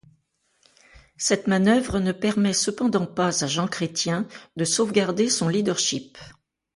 Cette manœuvre ne permet cependant pas à Jean Chrétien de sauvegarder son leadership.